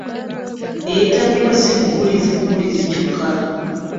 Eyeetaagibwa si mubuulizi bubuulizi kyokka.